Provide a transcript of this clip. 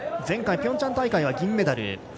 前回、ピョンチャン大会は銀メダル。